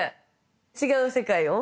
違う世界を？